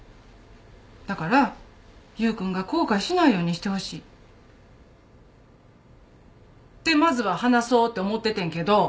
だから優君が後悔しないようにしてほしい。ってまずは話そうって思っててんけど。